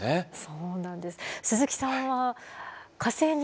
そうなんです。